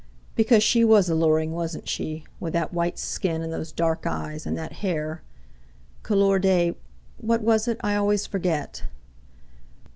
Because she was alluring, wasn't she? with that white skin and those dark eyes, and that hair, couleur de—what was it? I always forget."